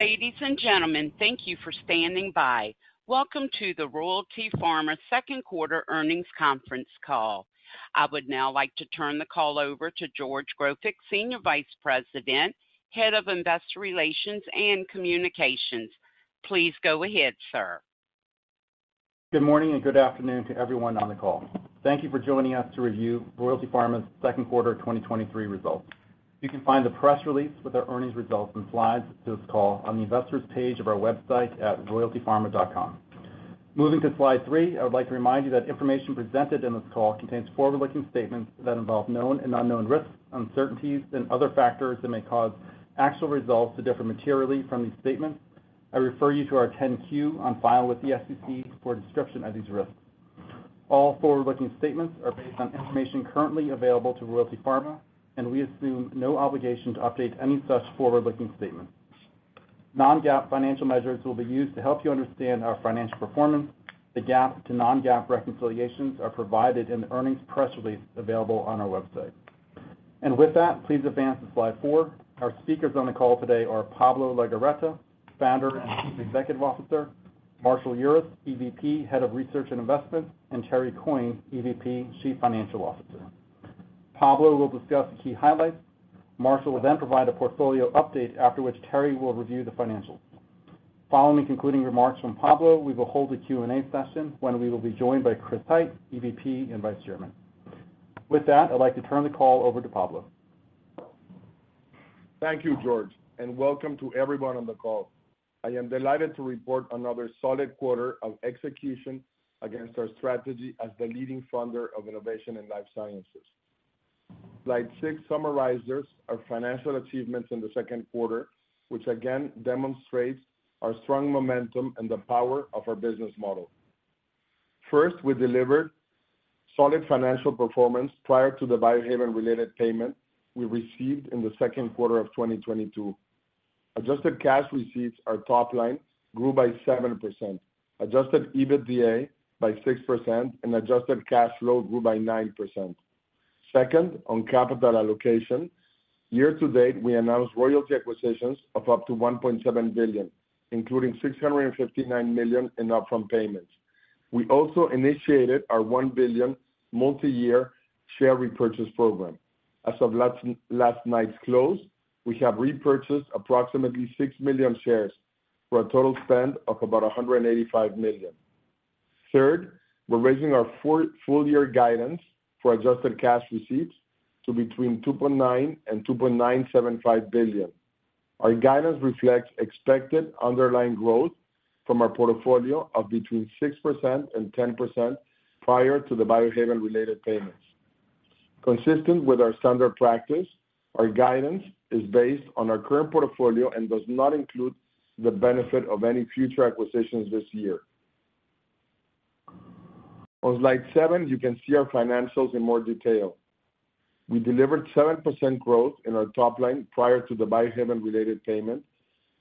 Ladies and gentlemen, thank you for standing by. Welcome to the Royalty Pharma Second Quarter Earnings Conference Call. I would now like to turn the call over to George Grofik, Senior Vice President, Head of Investor Relations and Communications. Please go ahead, sir. Good morning, and good afternoon to everyone on the call. Thank you for joining us to review Royalty Pharma's second quarter 2023 results. You can find the press release with our earnings results and Slides to this call on the investors page of our website at royaltypharma.com. Moving to Slide 3, I would like to remind you that information presented in this call contains forward-looking statements that involve known and unknown risks, uncertainties, and other factors that may cause actual results to differ materially from these statements. I refer you to our 10-Q on file with the SEC for a description of these risks. All forward-looking statements are based on information currently available to Royalty Pharma, and we assume no obligation to update any such forward-looking statements. Non-GAAP financial measures will be used to help you understand our financial performance. The GAAP to non-GAAP reconciliations are provided in the earnings press release available on our website. With that, please advance to Slide four. Our speakers on the call today are Pablo Legorreta, Founder and Chief Executive Officer; Marshall Urist, EVP, Head of Research and Investments; and Terrance Coyne, EVP, Chief Financial Officer. Pablo will discuss the key highlights. Marshall will then provide a portfolio update, after which Terrance will review the financials. Following concluding remarks from Pablo, we will hold a Q&A session, when we will be joined by Chris Hite, EVP and Vice Chairman. With that, I'd like to turn the call over to Pablo. Thank you, George. Welcome to everyone on the call. I am delighted to report another solid quarter of execution against our strategy as the leading funder of innovation in life sciences. Slide 6 summarizes our financial achievements in the second quarter, which again demonstrates our strong momentum and the power of our business model. First, we delivered solid financial performance prior to the Biohaven-related payment we received in the second quarter of 2022. Adjusted Cash Receipts, our top line, grew by 7%, Adjusted EBITDA by 6%, and Adjusted Cash Flow grew by 9%. Second, on capital allocation, year to date, we announced royalty acquisitions of up to $1.7 billion, including $659 million in upfront payments. We also initiated our $1 billion multi-year share repurchase program. As of last night's close, we have repurchased approximately 6 million shares for a total spend of about $185 million. Third, we're raising our full year guidance for Adjusted Cash Receipts to between $2.9 billion and $2.975 billion. Our guidance reflects expected underlying growth from our portfolio of between 6% and 10% prior to the Biohaven-related payments. Consistent with our standard practice, our guidance is based on our current portfolio and does not include the benefit of any future acquisitions this year. On Slide 7, you can see our financials in more detail. We delivered 7% growth in our top line prior to the Biohaven-related payment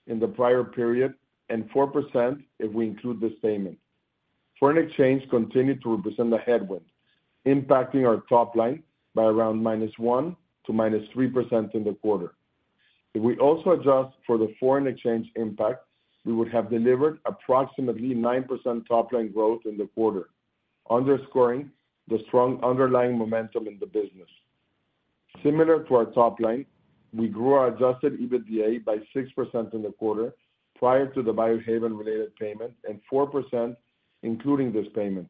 in the prior period, and 4% if we include this payment. Foreign exchange continued to represent a headwind, impacting our top line by around -1% to -3% in the quarter. If we also adjust for the foreign exchange impact, we would have delivered approximately 9% top-line growth in the quarter, underscoring the strong underlying momentum in the business. Similar to our top line, we grew our Adjusted EBITDA by 6% in the quarter prior to the Biohaven-related payment, and 4% including this payment.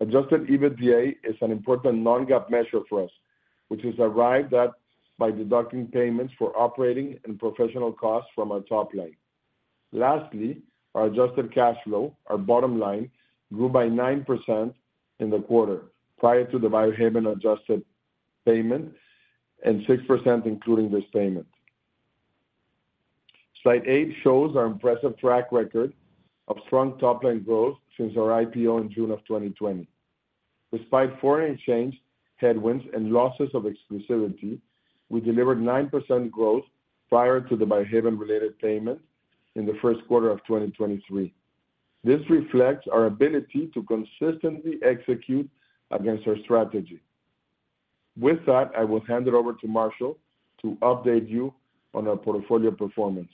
Adjusted EBITDA is an important non-GAAP measure for us, which is arrived at by deducting payments for operating and professional costs from our top line. Lastly, our Adjusted Cash Flow, our bottom line, grew by 9% in the quarter prior to the Biohaven-adjusted payment and 6% including this payment. Slide 8 shows our impressive track record of strong top-line growth since our IPO in June of 2020. Despite foreign exchange headwinds and losses of exclusivity, we delivered 9% growth prior to the Biohaven-related payment in the first quarter of 2023. This reflects our ability to consistently execute against our strategy. With that, I will hand it over to Marshall to update you on our portfolio performance.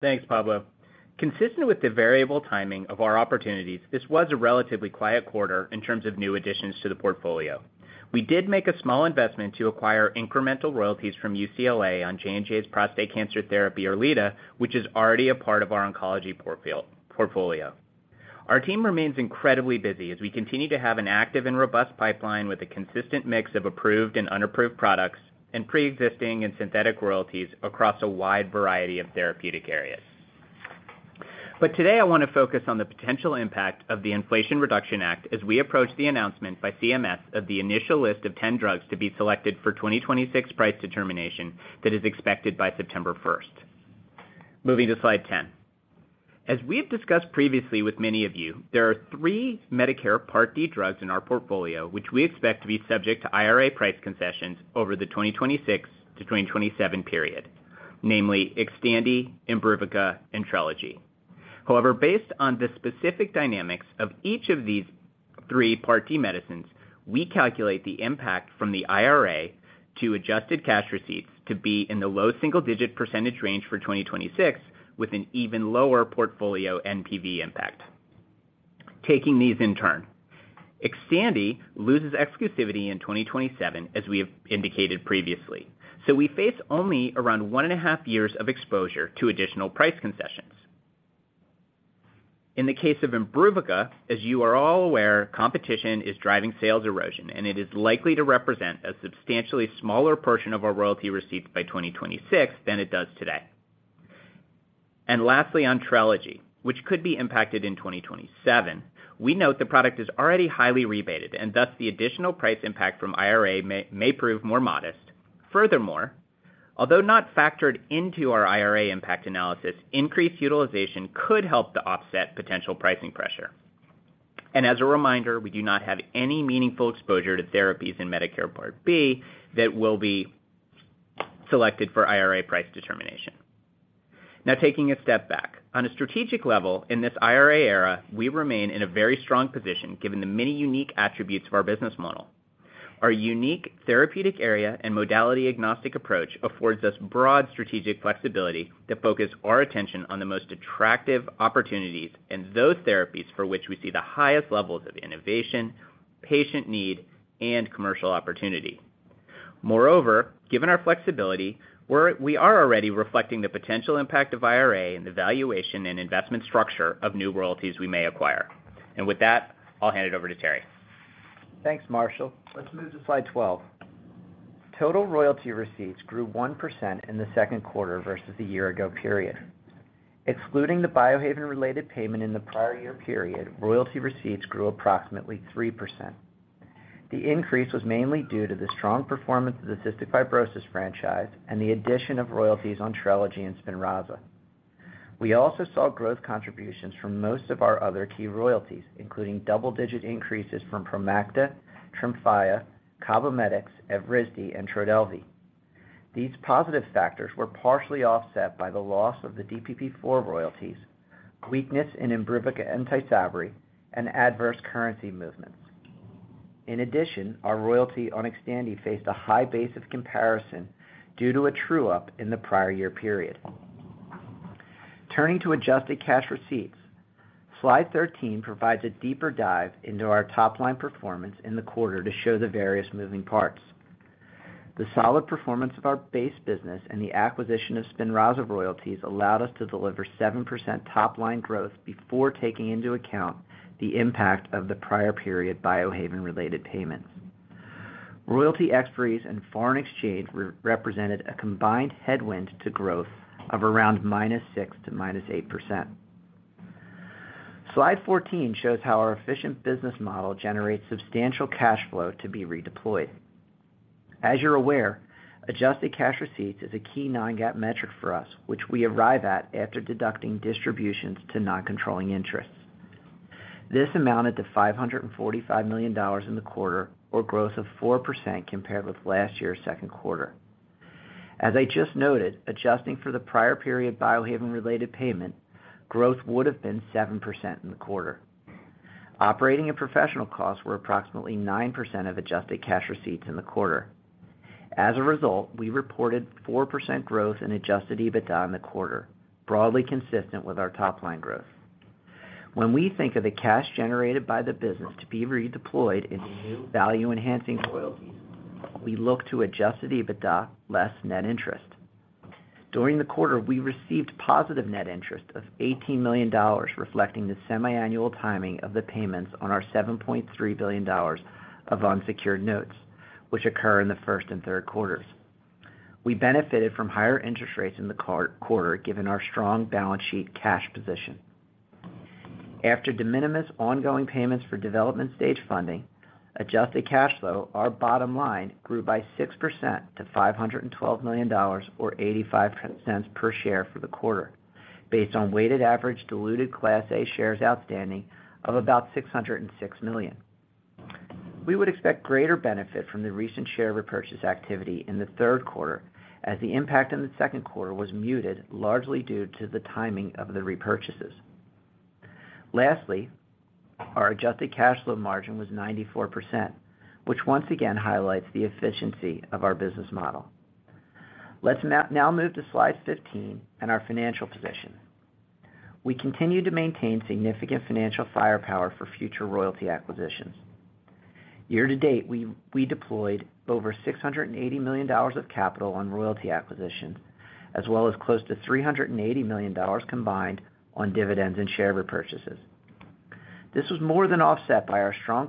Thanks, Pablo. Consistent with the variable timing of our opportunities, this was a relatively quiet quarter in terms of new additions to the portfolio. We did make a small investment to acquire incremental royalties from UCLA on J&J's prostate cancer therapy, ERLEADA, which is already a part of our oncology portfolio. Our team remains incredibly busy as we continue to have an active and robust pipeline with a consistent mix of approved and unapproved products and pre-existing and synthetic royalties across a wide variety of therapeutic areas. Today, I want to focus on the potential impact of the Inflation Reduction Act as we approach the announcement by CMS of the initial list of 10 drugs to be selected for 2026 price determination that is expected by September 1st. Moving to Slide 10. As we've discussed previously with many of you, there are 3 Medicare Part D drugs in our portfolio, which we expect to be subject to IRA price concessions over the 2026-2027 period, namely Xtandi, Enbrel, and Trelegy. However, based on the specific dynamics of each of these 3 Part D medicines, we calculate the impact from the IRA to Adjusted Cash Receipts to be in the low single-digit % range for 2026, with an even lower portfolio NPV impact. Taking these in turn, Xtandi loses exclusivity in 2027, as we have indicated previously, we face only around 1.5 years of exposure to additional price concessions. In the case of Imbruvica, as you are all aware, competition is driving sales erosion, and it is likely to represent a substantially smaller portion of our royalty received by 2026 than it does today. Lastly, on Trelegy, which could be impacted in 2027, we note the product is already highly rebated, and thus the additional price impact from IRA may, may prove more modest. Furthermore, although not factored into our IRA impact analysis, increased utilization could help to offset potential pricing pressure. As a reminder, we do not have any meaningful exposure to therapies in Medicare Part B that will be selected for IRA price determination. Now, taking a step back. On a strategic level, in this IRA era, we remain in a very strong position, given the many unique attributes of our business model. Our unique therapeutic area and modality-agnostic approach affords us broad strategic flexibility to focus our attention on the most attractive opportunities, and those therapies for which we see the highest levels of innovation, patient need, and commercial opportunity. Moreover, given our flexibility, we are already reflecting the potential impact of IRA in the valuation and investment structure of new royalties we may acquire. With that, I'll hand it over to Terry. Thanks, Marshall. Let's move to Slide 12. Total royalty receipts grew 1% in the second quarter versus the year ago period. Excluding the Biohaven-related payment in the prior year period, royalty receipts grew approximately 3%. The increase was mainly due to the strong performance of the cystic fibrosis franchise and the addition of royalties on Trelegy and Spinraza. We also saw growth contributions from most of our other key royalties, including double-digit increases from Promacta, TREMFYA, CABOMETYX, Evrysdi, and Trodelvy. These positive factors were partially offset by the loss of the DPP-4 royalties, weakness in Imbruvica and Tysabri, and adverse currency movements. In addition, our royalty on Xtandi faced a high base of comparison due to a true-up in the prior year period. Turning to adjusted cash receipts, Slide 13 provides a deeper dive into our top-line performance in the quarter to show the various moving parts. The solid performance of our base business and the acquisition of Spinraza royalties allowed us to deliver 7% top-line growth before taking into account the impact of the prior period Biohaven-related payments. Royalty expiries and foreign exchange re-represented a combined headwind to growth of around -6% to -8%. Slide 14 shows how our efficient business model generates substantial cash flow to be redeployed. As you're aware, Adjusted Cash Receipts is a key non-GAAP metric for us, which we arrive at after deducting distributions to non-controlling interests. This amounted to $545 million in the quarter, or growth of 4% compared with last year's second quarter. As I just noted, adjusting for the prior period Biohaven-related payment, growth would have been 7% in the quarter. Operating and professional costs were approximately 9% of Adjusted Cash Receipts in the quarter. As a result, we reported 4% growth in Adjusted EBITDA in the quarter, broadly consistent with our top-line growth. When we think of the cash generated by the business to be redeployed into new value-enhancing royalties, we look to Adjusted EBITDA less net interest. During the quarter, we received positive net interest of $18 million, reflecting the semiannual timing of the payments on our $7.3 billion of unsecured notes, which occur in the first and third quarters. We benefited from higher interest rates in the quarter, given our strong balance sheet cash position. After de minimis ongoing payments for development-stage funding, Adjusted Cash Flow, our bottom line, grew by 6% to $512 million, or $0.85 per share for the quarter, based on weighted average diluted Class A shares outstanding of about 606 million. We would expect greater benefit from the recent share repurchase activity in the third quarter, as the impact in the second quarter was muted, largely due to the timing of the repurchases. Lastly, our Adjusted Cash Flow margin was 94%, which once again highlights the efficiency of our business model. Let's now move to Slide 15 and our financial position. We continue to maintain significant financial firepower for future royalty acquisitions. Year to date, we deployed over $680 million of capital on royalty acquisitions, as well as close to $380 million combined on dividends and share repurchases. The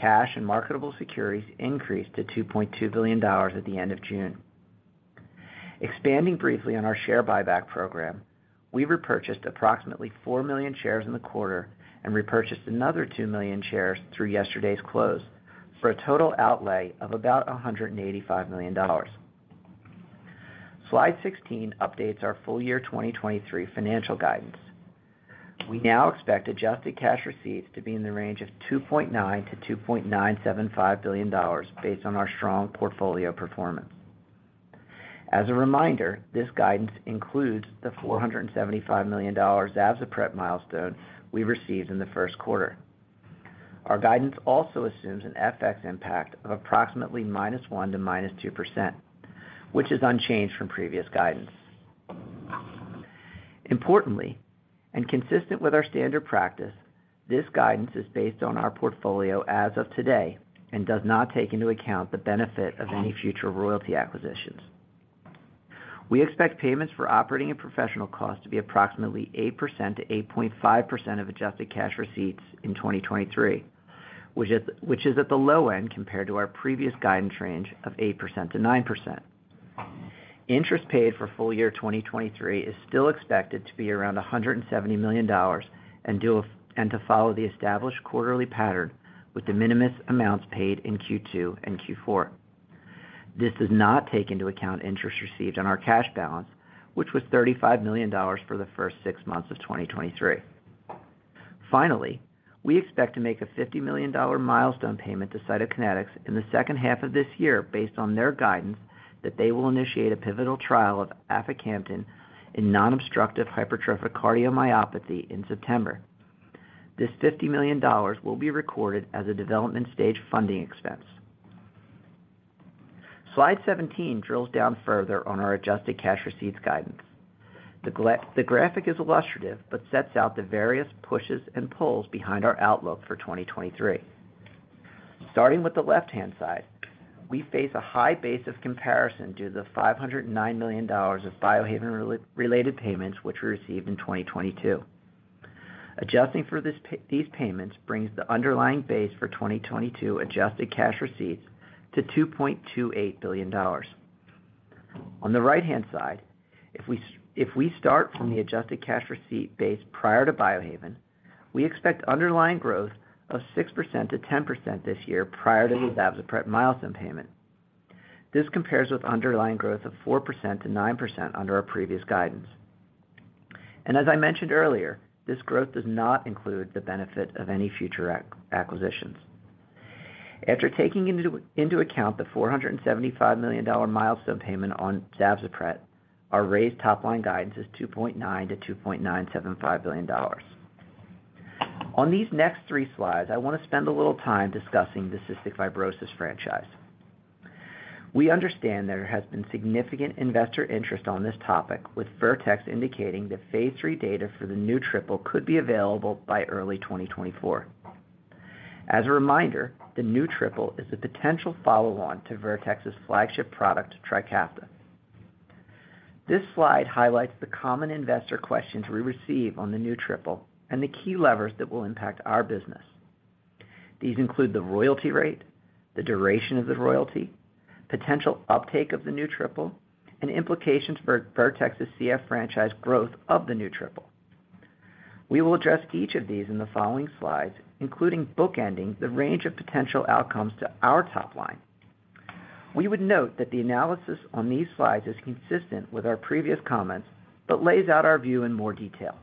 cash and marketable securities increased to $2.2 billion at the end of June. Expanding briefly on our share buyback program, we repurchased approximately 4 million shares in the quarter and repurchased another 2 million shares through yesterday's close, for a total outlay of about $185 million. Slide 16 updates our full year 2023 financial guidance. We now expect Adjusted Cash Receipts to be in the range of $2.9 billion-$2.975 billion based on our strong portfolio performance. As a reminder, this guidance includes the $475 million ZAVZPRET milestone we received in the first quarter. Our guidance also assumes an FX impact of approximately -1% to -2%, which is unchanged from previous guidance. Importantly, consistent with our standard practice, this guidance is based on our portfolio as of today and does not take into account the benefit of any future royalty acquisitions. We expect payments for operating and professional costs to be approximately 8%-8.5% of Adjusted Cash Receipts in 2023, which is at the low end compared to our previous guidance range of 8%-9%. Interest paid for full year 2023 is still expected to be around $170 million and to follow the established quarterly pattern, with de minimis amounts paid in Q2 and Q4. This does not take into account interest received on our cash balance, which was $35 million for the first six months of 2023. We expect to make a $50 million milestone payment to Cytokinetics, Incorporated in the second half of this year, based on their guidance that they will initiate a pivotal trial of aficamten in nonobstructive hypertrophic cardiomyopathy in September. This $50 million will be recorded as a development-stage funding expense. Slide 17 drills down further on our Adjusted Cash Receipts guidance. The graphic is illustrative, but sets out the various pushes and pulls behind our outlook for 2023. Starting with the left-hand side, we face a high base of comparison due to the $509 million of Biohaven-related payments, which we received in 2022. Adjusting for these payments brings the underlying base for 2022 Adjusted Cash Receipts to $2.28 billion. On the right-hand side, if we start from the Adjusted Cash Receipt base prior to Biohaven, we expect underlying growth of 6%-10% this year prior to the Zavzpret milestone payment. This compares with underlying growth of 4%-9% under our previous guidance. As I mentioned earlier, this growth does not include the benefit of any future acquisitions. After taking into account the $475 million milestone payment on Zavzpret, our raised top-line guidance is $2.9 billion-$2.975 billion. On these next three slides, I want to spend a little time discussing the cystic fibrosis franchise. We understand there has been significant investor interest on this topic, with Vertex indicating the Phase 3 data for the new triple could be available by early 2024. As a reminder, the new triple is a potential follow-on to Vertex's flagship product, Trikafta. This slide highlights the common investor questions we receive on the new triple and the key levers that will impact our business. These include the royalty rate, the duration of the royalty, potential uptake of the new triple, and implications for Vertex's CF franchise growth of the new triple. We will address each of these in the following slides, including bookending the range of potential outcomes to our top line. We would note that the analysis on these slides is consistent with our previous comments, lays out our view in more detail.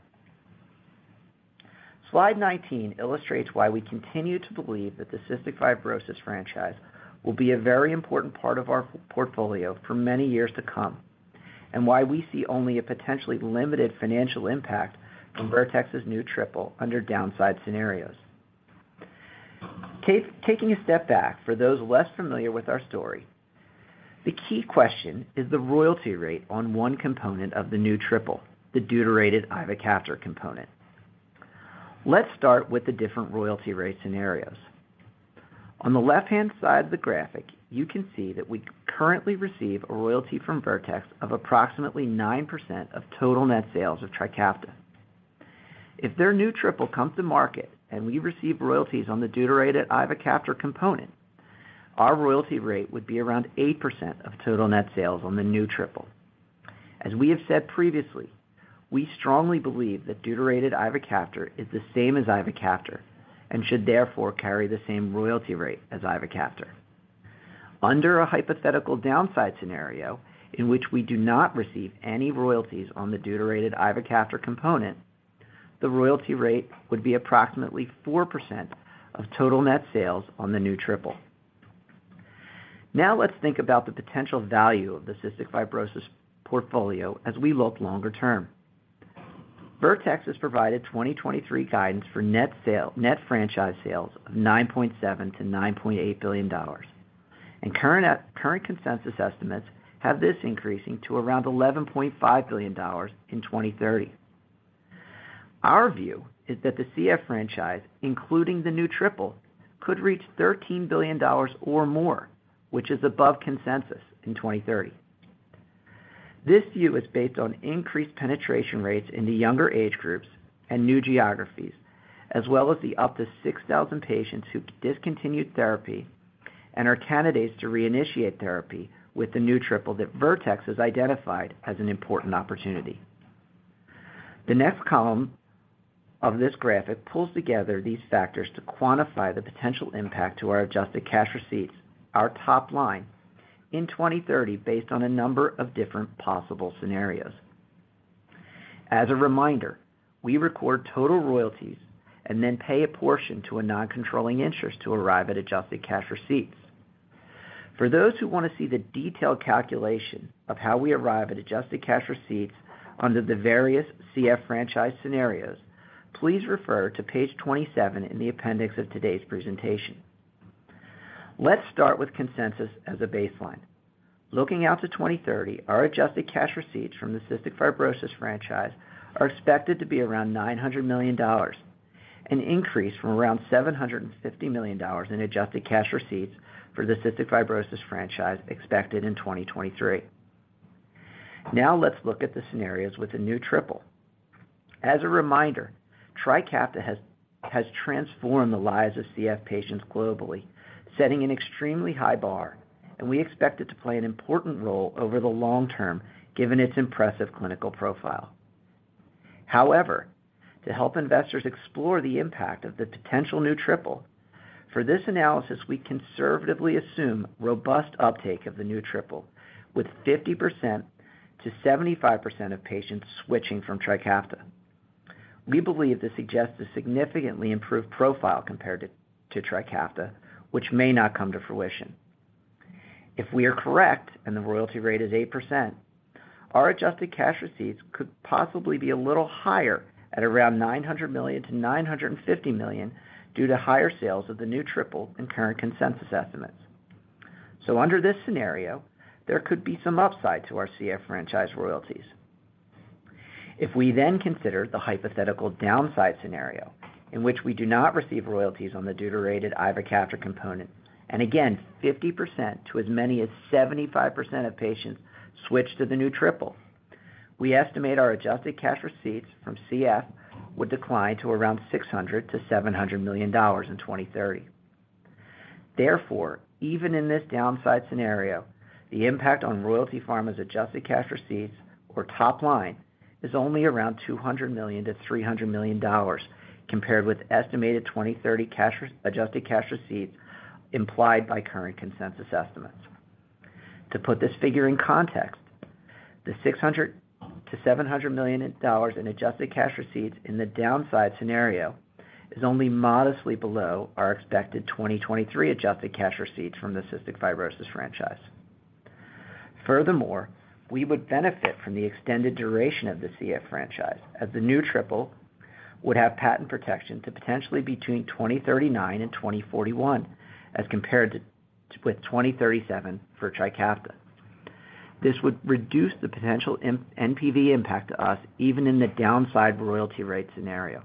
Slide 19 illustrates why we continue to believe that the cystic fibrosis franchise will be a very important part of our portfolio for many years to come, why we see only a potentially limited financial impact from Vertex's new triple under downside scenarios. Taking a step back, for those less familiar with our story, the key question is the royalty rate on one component of the new triple, the deuterated ivacaftor component. Let's start with the different royalty rate scenarios. On the left-hand side of the graphic, you can see that we currently receive a royalty from Vertex of approximately 9% of total net sales of Trikafta. If their new triple comes to market and we receive royalties on the deuterated ivacaftor component, our royalty rate would be around 8% of total net sales on the new triple. As we have said previously, we strongly believe that deuterated ivacaftor is the same as ivacaftor, and should therefore carry the same royalty rate as ivacaftor. Under a hypothetical downside scenario in which we do not receive any royalties on the deuterated ivacaftor component, the royalty rate would be approximately 4% of total net sales on the new triple. Let's think about the potential value of the cystic fibrosis portfolio as we look longer term. Vertex has provided 2023 guidance for net franchise sales of $9.7 billion-$9.8 billion. Current consensus estimates have this increasing to around $11.5 billion in 2030. Our view is that the CF franchise, including the new triple, could reach $13 billion or more, which is above consensus in 2030. This view is based on increased penetration rates in the younger age groups and new geographies, as well as the up to 6,000 patients who discontinued therapy and are candidates to reinitiate therapy with the new triple that Vertex has identified as an important opportunity. The next column of this graphic pulls together these factors to quantify the potential impact to our Adjusted Cash Receipts, our top line in 2030, based on a number of different possible scenarios. As a reminder, we record total royalties and then pay a portion to a non-controlling interest to arrive at Adjusted Cash Receipts. For those who wanna see the detailed calculation of how we arrive at Adjusted Cash Receipts under the various CF franchise scenarios, please refer to page 27 in the appendix of today's presentation. Let's start with consensus as a baseline. Looking out to 2030, our Adjusted Cash Receipts from the cystic fibrosis franchise are expected to be around $900 million, an increase from around $750 million in Adjusted Cash Receipts for the cystic fibrosis franchise expected in 2023. Let's look at the scenarios with a new triple. As a reminder, Trikafta has transformed the lives of CF patients globally, setting an extremely high bar, and we expect it to play an important role over the long term, given its impressive clinical profile. To help investors explore the impact of the potential new triple, for this analysis, we conservatively assume robust uptake of the new triple, with 50%-75% of patients switching from Trikafta. We believe this suggests a significantly improved profile compared to Trikafta, which may not come to fruition. If we are correct, and the royalty rate is 8%, our Adjusted Cash Receipts could possibly be a little higher, at around $900 million-$950 million, due to higher sales of the new triple in current consensus estimates. Under this scenario, there could be some upside to our CF franchise royalties. We then consider the hypothetical downside scenario, in which we do not receive royalties on the deuterated ivacaftor component, and again, 50% to as many as 75% of patients switch to the new triple, we estimate our Adjusted Cash Receipts from CF would decline to around $600 million-$700 million in 2030. Even in this downside scenario, the impact on Royalty Pharma's Adjusted Cash Receipts or top line is only around $200 million-$300 million, compared with estimated 2030 Adjusted Cash Receipts implied by current consensus estimates. To put this figure in context, the $600 million-$700 million in Adjusted Cash Receipts in the downside scenario is only modestly below our expected 2023 Adjusted Cash Receipts from the cystic fibrosis franchise. Furthermore, we would benefit from the extended duration of the CF franchise, as the new triple would have patent protection to potentially between 2039 and 2041, as compared to, with 2037 for Trikafta. This would reduce the potential NPV impact to us, even in the downside royalty rate scenario.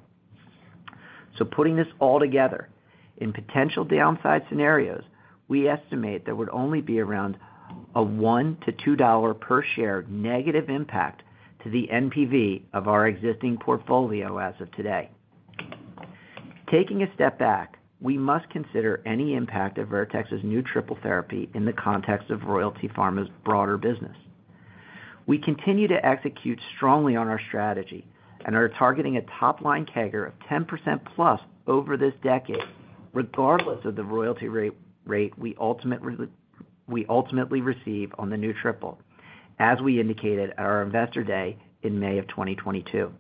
Putting this all together, in potential downside scenarios, we estimate there would only be around a $1-$2 per share negative impact to the NPV of our existing portfolio as of today. Taking a step back, we must consider any impact of Vertex's new triple therapy in the context of Royalty Pharma's broader business. We continue to execute strongly on our strategy and are targeting a top-line CAGR of 10%+ over this decade, regardless of the royalty rate we ultimately receive on the new triple, as we indicated at our Investor Day in May of 2022.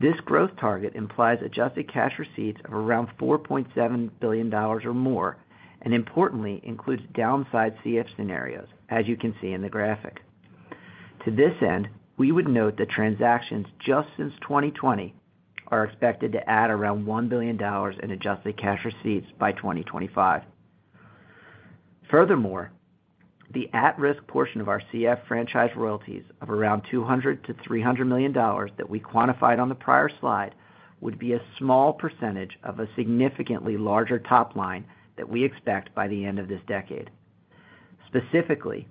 This growth target implies Adjusted Cash Receipts of around $4.7 billion or more, and importantly, includes downside CF scenarios, as you can see in the graphic. To this end, we would note that transactions just since 2020 are expected to add around $1 billion in Adjusted Cash Receipts by 2025. Furthermore, the at-risk portion of our CF franchise royalties of around $200 million-$300 million that we quantified on the prior slide, would be a small percentage of a significantly larger top-line that we expect by the end of this decade. Specifically,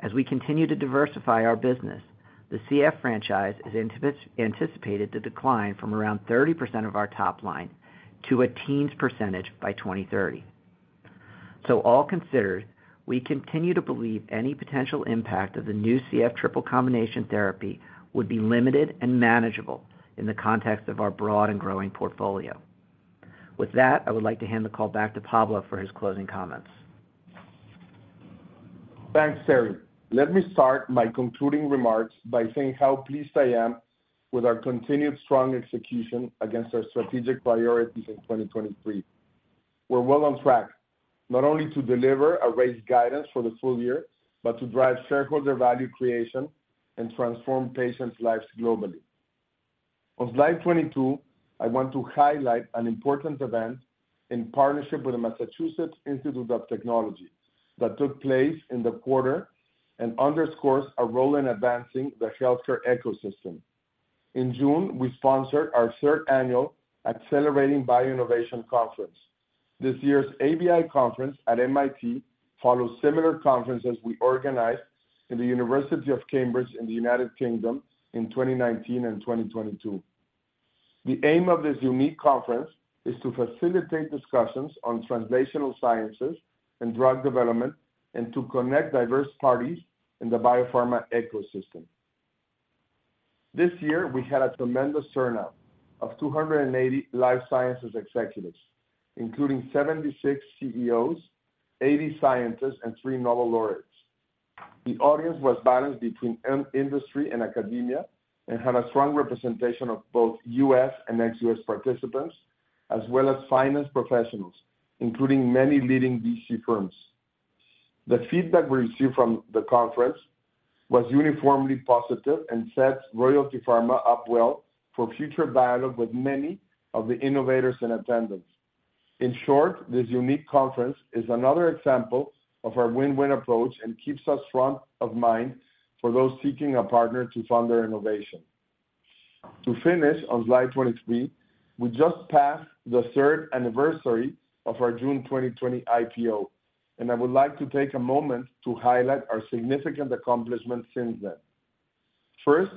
as we continue to diversify our business, the CF franchise is anticipated to decline from around 30% of our top line to a teens percentage by 2030. All considered, we continue to believe any potential impact of the new CF triple combination therapy would be limited and manageable in the context of our broad and growing portfolio. With that, I would like to hand the call back to Pablo for his closing comments. Thanks, Terry. Let me start my concluding remarks by saying how pleased I am with our continued strong execution against our strategic priorities in 2023. We're well on track, not only to deliver a raised guidance for the full year, but to drive shareholder value creation and transform patients' lives globally. On Slide 22, I want to highlight an important event in partnership with the Massachusetts Institute of Technology that took place in the quarter and underscores our role in advancing the healthcare ecosystem. In June, we sponsored our third annual Accelerating Bio-Innovation Conference. This year's ABI conference at MIT follows similar conferences we organized in the University of Cambridge in the United Kingdom in 2019 and 2022. The aim of this unique conference is to facilitate discussions on translational sciences and drug development and to connect diverse parties in the biopharma ecosystem. This year, we had a tremendous turnout of 280 life sciences executives, including 76 CEOs, 80 scientists, and 3 Nobel laureates. The audience was balanced between industry and academia and had a strong representation of both U.S. and ex-U.S. participants, as well as finance professionals, including many leading VC firms. The feedback we received from the conference was uniformly positive and sets Royalty Pharma up well for future dialogue with many of the innovators in attendance. In short, this unique conference is another example of our win-win approach and keeps us front of mind for those seeking a partner to fund their innovation. To finish, on Slide 23, we just passed the third anniversary of our June 2020 IPO, and I would like to take a moment to highlight our significant accomplishments since then. First,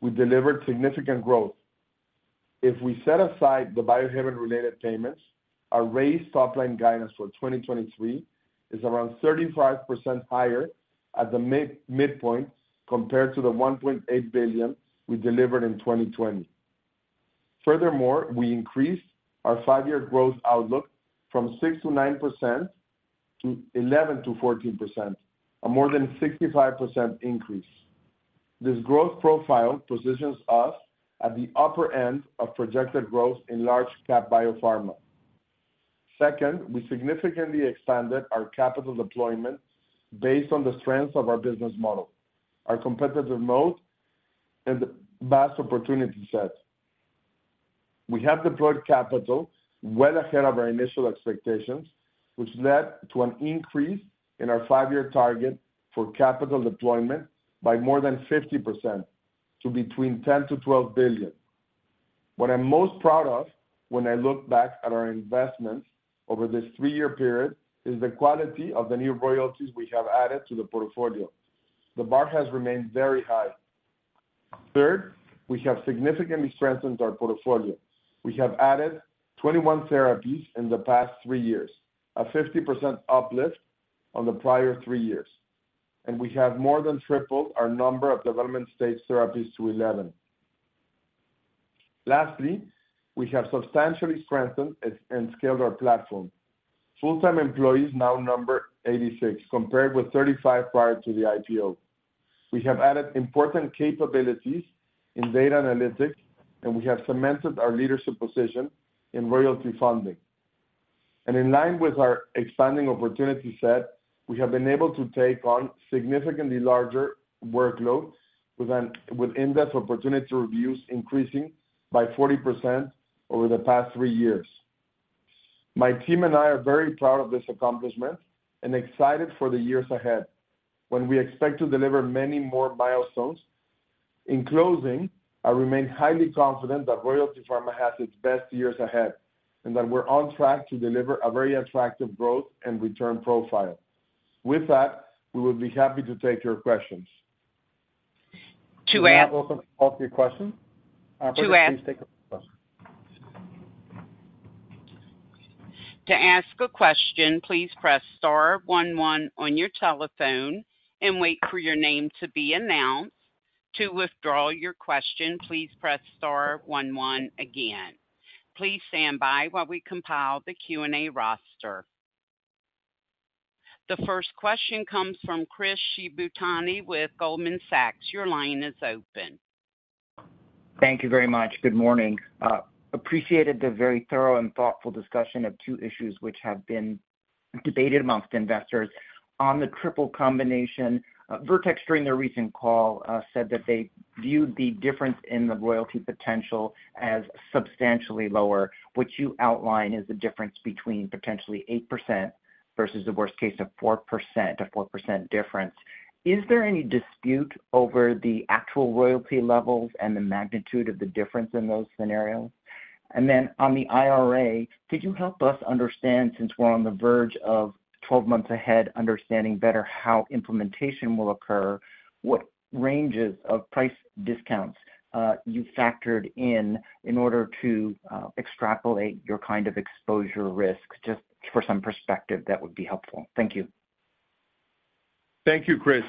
we delivered significant growth. If we set aside the Biohaven-related payments, our raised top-line guidance for 2023 is around 35% higher at the mid- midpoints compared to the $1.8 billion we delivered in 2020. Furthermore, we increased our five-year growth outlook from 6%-9% to 11%-14%, a more than 65% increase. This growth profile positions us at the upper end of projected growth in large cap biopharma. Second, we significantly expanded our capital deployment based on the strength of our business model, our competitive mode, and vast opportunity set. We have deployed capital well ahead of our initial expectations, which led to an increase in our five-year target for capital deployment by more than 50% to between $10 billion-$12 billion. What I'm most proud of when I look back at our investments over this 3-year period, is the quality of the new royalties we have added to the portfolio. The bar has remained very high. Third, we have significantly strengthened our portfolio. We have added 21 therapies in the past 3 years, a 50% uplift on the prior 3 years, and we have more than tripled our number of development-stage therapies to 11. Lastly, we have substantially strengthened and scaled our platform. Full-time employees now number 86, compared with 35 prior to the IPO. We have added important capabilities in data analytics, and we have cemented our leadership position in royalty funding. In line with our expanding opportunity set, we have been able to take on significantly larger workloads, with in-depth opportunity reviews increasing by 40% over the past 3 years. My team and I are very proud of this accomplishment and excited for the years ahead, when we expect to deliver many more milestones. In closing, I remain highly confident that Royalty Pharma has its best years ahead, and that we're on track to deliver a very attractive growth and return profile. With that, we would be happy to take your questions. To ask We are open to all of your questions. Please take your questions. To ask a question, please press star one one on your telephone and wait for your name to be announced. To withdraw your question, please press star one one again. Please stand by while we compile the Q&A roster. The first question comes from Chris Shibutani with Goldman Sachs. Your line is open. Thank you very much. Good morning. Appreciated the very thorough and thoughtful discussion of two issues which have been debated amongst investors. On the triple combination, Vertex, during their recent call, said that they viewed the difference in the royalty potential as substantially lower, which you outline as the difference between potentially 8% versus the worst case of 4%, a 4% difference. Is there any dispute over the actual royalty levels and the magnitude of the difference in those scenarios? On the IRA, could you help us understand, since we're on the verge of 12 months ahead, understanding better how implementation will occur, what ranges of price discounts, you factored in, in order to extrapolate your kind of exposure risks? Just for some perspective, that would be helpful. Thank you. Thank you, Chris.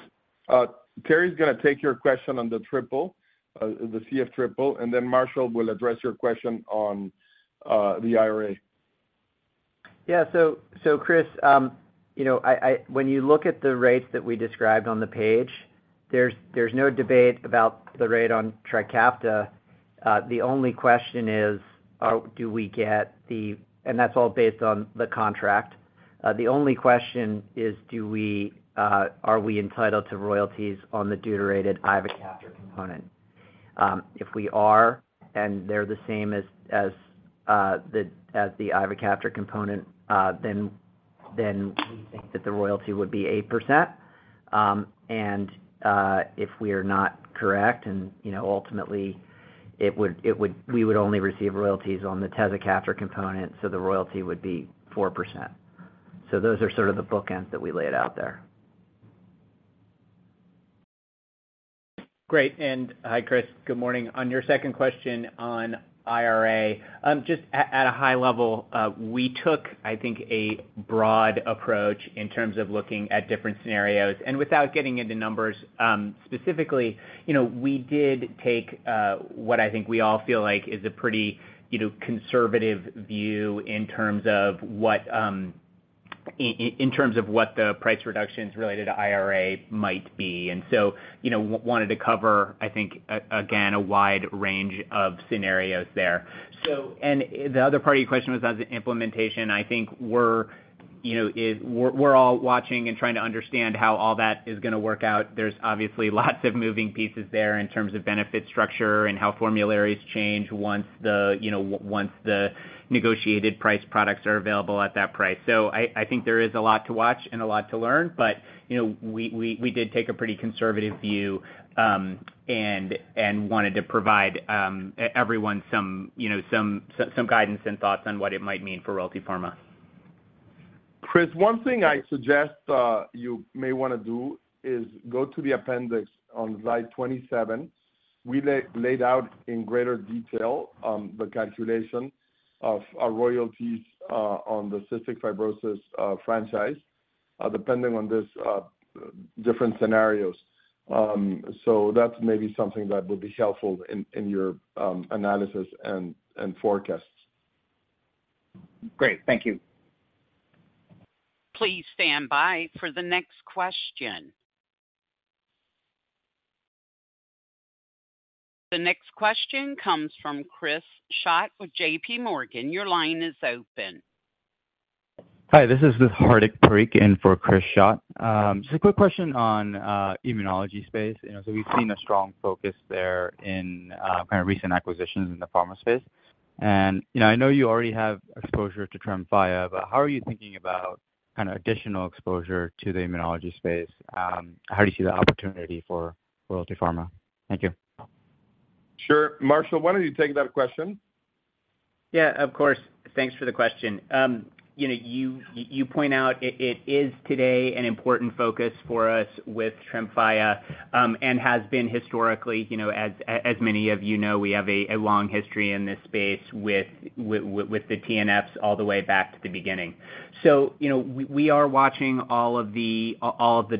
Terry's gonna take your question on the triple, the CF triple, and then Marshall will address your question on the IRA. Yeah. Chris, you know, when you look at the rates that we described on the page, there's, there's no debate about the rate on Trikafta. The only question is, do we get the. That's all based on the contract. The only question is, are we entitled to royalties on the deuterated ivacaftor component? If we are, and they're the same as, as the, as the ivacaftor component, we think that the royalty would be 8%. If we are not correct, and, you know, ultimately, we would only receive royalties on the tezacaftor component, the royalty would be 4%. Those are sort of the bookends that we laid out there. Great, hi, Chris, good morning. On your second question on IRA, just at a high level, we took, I think, a broad approach in terms of looking at different scenarios. Without getting into numbers, specifically, you know, we did take what I think we all feel like is a pretty, you know, conservative view in terms of what, in terms of what the price reductions related to IRA might be. You know, wanted to cover, I think, again, a wide range of scenarios there. The other part of your question was on the implementation. I think we're, you know, we're all watching and trying to understand how all that is gonna work out. There's obviously lots of moving pieces there in terms of benefit structure and how formularies change once the, you know, once the negotiated price products are available at that price. I, I think there is a lot to watch and a lot to learn, but, you know, we, we, we did take a pretty conservative view, and, and wanted to provide everyone some, you know, some, some, some guidance and thoughts on what it might mean for Royalty Pharma. Chris, one thing I suggest, you may wanna do is go to the appendix on Slide 27. We laid out in greater detail, the calculation of our royalties, on the cystic fibrosis franchise, depending on this different scenarios. That's maybe something that would be helpful in, in your, analysis and, and forecasts. Great, thank you. Please stand by for the next question. The next question comes from Chris Schott with J.P. Morgan, your line is open. Hi, this is Hardik Parekh in for Chris Schott. Just a quick question on immunology space. You know, we've seen a strong focus there in kind of recent acquisitions in the pharma space. You know, I know you already have exposure to TREMFYA, but how are you thinking about kind of additional exposure to the immunology space? How do you see the opportunity for Royalty Pharma? Thank you. Sure. Marshall, why don't you take that question? Yeah, of course. Thanks for the question. You know, you, you point out it, it is today an important focus for us with TREMFYA, and has been historically. You know, as, as many of you know, we have a, a long history in this space with, with, with, with the TNFs all the way back to the beginning. You know, we, we are watching all of the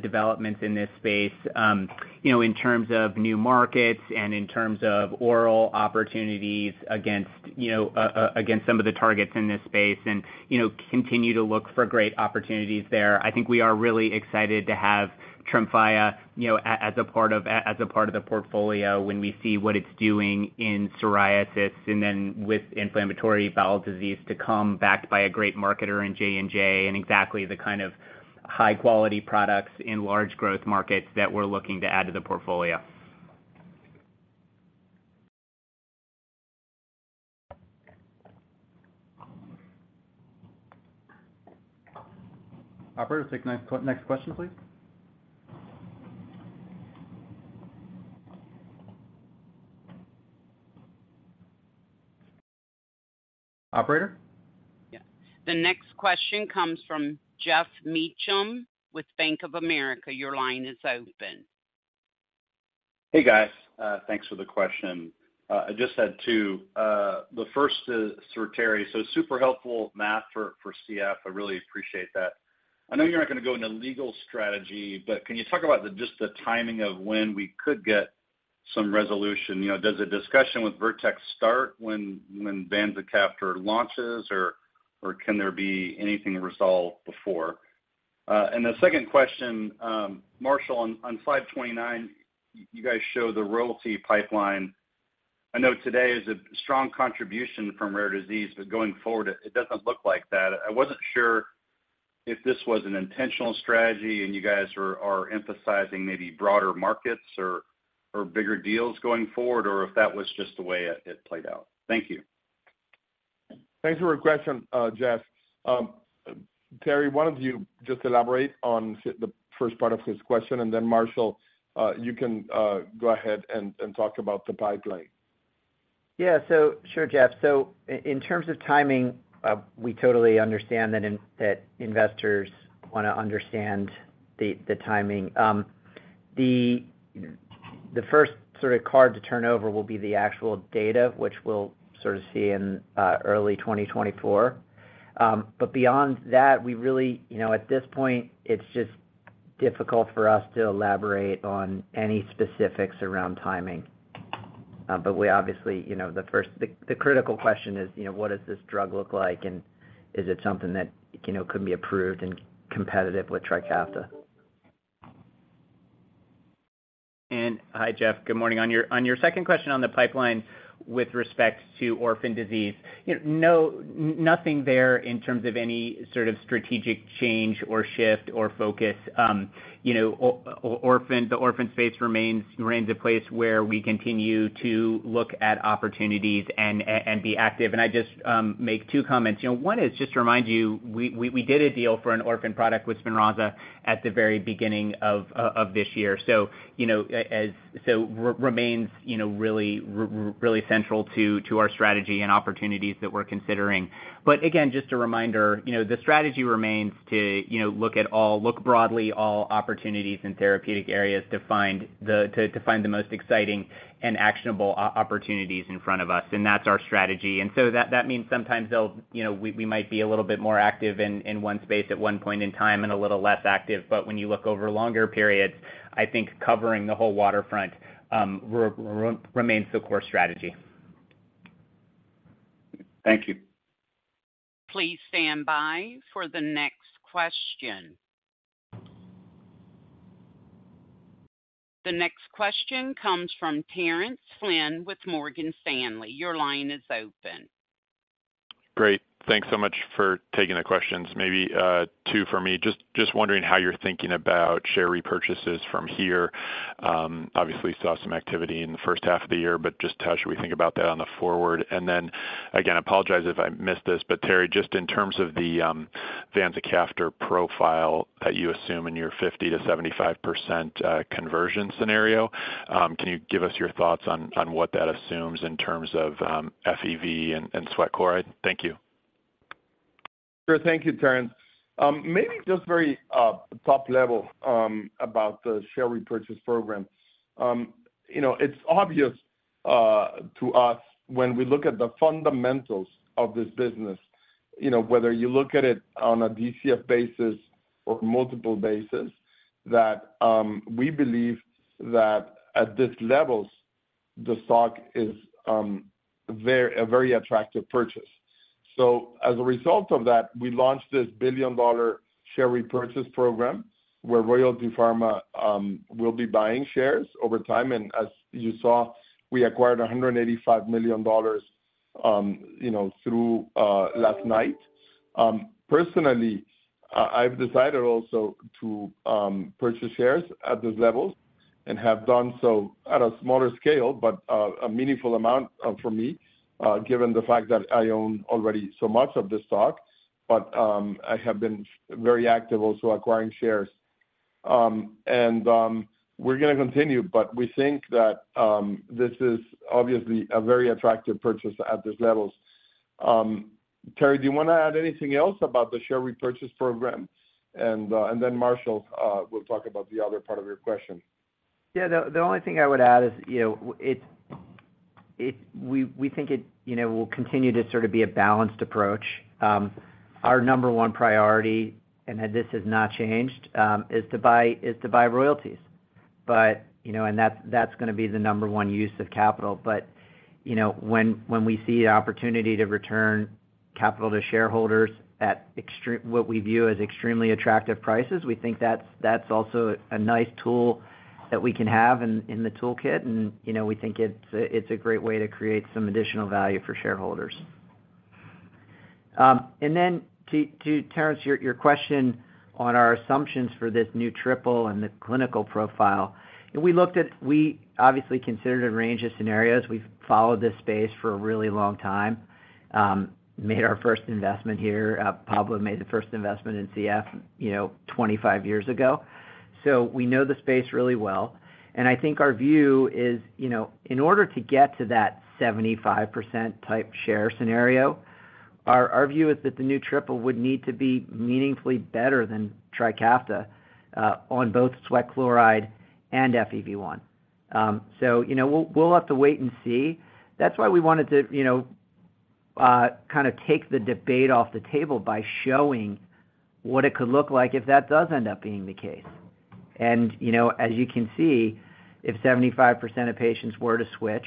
developments in this space, you know, in terms of new markets and in terms of oral opportunities against, you know, against some of the targets in this space, and, you know, continue to look for great opportunities there. I think we are really excited to have TREMFYA, you know, as a part of, as a part of the portfolio when we see what it's doing in psoriasis and then with inflammatory bowel disease to come, backed by a great marketer in J&J. Exactly the kind of high-quality products in large growth markets that we're looking to add to the portfolio. Operator, take next question, please. Operator? Yeah. The next question comes from Geoff Meacham with Bank of America. Your line is open. Hey, guys. Thanks for the question. I just had 2. The first is for Terry. Super helpful math for CF. I really appreciate that. I know you're not gonna go into legal strategy, but can you talk about the just the timing of when we could get some resolution? You know, does the discussion with Vertex start when vanzacaftor launches, or can there be anything resolved before? The second question, Marshall, on Slide 29, you guys show the royalty pipeline. I know today is a strong contribution from rare disease, but going forward, it doesn't look like that. I wasn't sure if this was an intentional strategy and you guys are emphasizing maybe broader markets or bigger deals going forward, or if that was just the way it played out. Thank you. Thanks for your question, Geoff. Terry, why don't you just elaborate on the first part of his question, and then Marshall, you can, go ahead and, and talk about the pipeline. Yeah. Sure, Geoff. In terms of timing, we totally understand that investors wanna understand the, the timing. The, the first sort of card to turn over will be the actual data, which we'll sort of see in early 2024. Beyond that, we really, you know, at this point, it's just difficult for us to elaborate on any specifics around timing. We obviously, you know, the critical question is, you know, what does this drug look like, and is it something that, you know, could be approved and competitive with Trikafta? Hi, Geoff, good morning. On your, on your second question on the pipeline with respect to orphan disease, nothing there in terms of any sort of strategic change or shift or focus. The orphan space remains, remains a place where we continue to look at opportunities and be active. I'd just make two comments. One is just to remind you, we, we, we did a deal for an orphan product with Spinraza at the very beginning of this year. Remains really central to, to our strategy and opportunities that we're considering. Again, just a reminder, you know, the strategy remains to, you know, look at all, look broadly all opportunities in therapeutic areas to find the, to, to find the most exciting and actionable opportunities in front of us, and that's our strategy. That, that means sometimes they'll, you know, we, we might be a little bit more active in, in one space at one point in time and a little less active. When you look over a longer period, I think covering the whole waterfront, remains the core strategy. Thank you. Please stand by for the next question. The next question comes from Terence Flynn with Morgan Stanley. Your line is open. Great. Thanks so much for taking the questions. Maybe, two for me. Just, just wondering how you're thinking about share repurchases from here. Obviously saw some activity in the first half of the year, but just how should we think about that on the forward? Again, I apologize if I missed this, but Terry, just in terms of the vanzacaftor profile that you assume in your 50%-75% conversion scenario, can you give us your thoughts on, on what that assumes in terms of FEV and, and sweat chloride? Thank you. Sure. Thank you, Terence. Maybe just very top level about the share repurchase program. You know, it's obvious to us when we look at the fundamentals of this business, you know, whether you look at it on a DCF basis or multiple basis, that we believe that at these levels, the stock is very a very attractive purchase. As a result of that, we launched this billion-dollar share repurchase program, where Royalty Pharma will be buying shares over time. As you saw, we acquired $185 million, you know, through last night. Personally, I've decided also to purchase shares at those levels and have done so at a smaller scale, but a meaningful amount for me, given the fact that I own already so much of the stock. I have been very active also acquiring shares. We're gonna continue, but we think that, this is obviously a very attractive purchase at these levels. Terry, do you wanna add anything else about the share repurchase program? And then Marshall, will talk about the other part of your question. Yeah, the only thing I would add is, you know, we think it, you know, will continue to sort of be a balanced approach. Our number one priority, and this has not changed, is to buy, is to buy royalties. But, you know, that's, that's gonna be the number one use of capital. But, you know, when we see an opportunity to return capital to shareholders at what we view as extremely attractive prices, we think that's, that's also a nice tool that we can have in the toolkit, you know, we think it's a great way to create some additional value for shareholders. Then to Terence, your question on our assumptions for this new triple and the clinical profile, we obviously considered a range of scenarios. We've followed this space for a really long time. Made our first investment here, Pablo made the first investment in CF, you know, 25 years ago. We know the space really well, and I think our view is, you know, in order to get to that 75% type share scenario, our, our view is that the new triple would need to be meaningfully better than Trikafta on both sweat chloride and FEV1. You know, we'll, we'll have to wait and see. That's why we wanted to, you know, kind of take the debate off the table by showing what it could look like if that does end up being the case. You know, as you can see, if 75% of patients were to switch,